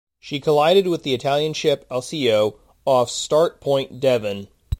She collided with the Italian ship "Alceo", off Start Point, Devon.